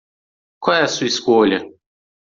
Qual é a sua escolha?